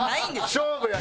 勝負や。